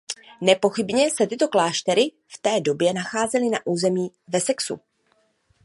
Nepochybně se tyto kláštery v té době nacházely na území Wessexu.